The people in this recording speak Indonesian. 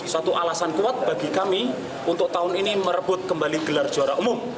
satu alasan kuat bagi kami untuk tahun ini merebut kembali gelar juara umum